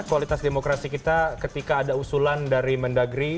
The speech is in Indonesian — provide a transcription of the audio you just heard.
kualitas demokrasi kita ketika ada usulan dari mendagri